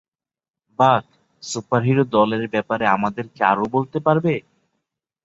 বাক, সুপারহিরো দলের ব্যাপারে আমাদেরকে আরও বলতে পারবে?